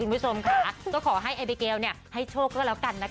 คุณผู้ชมค่ะก็ขอให้เอบิเกลให้โชคก็แล้วกันนะคะ